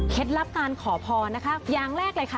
ลับการขอพรนะคะอย่างแรกเลยค่ะ